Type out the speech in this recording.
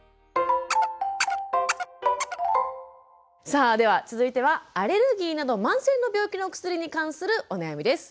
さあでは続いてはアレルギーなど慢性の病気のお薬に関するお悩みです。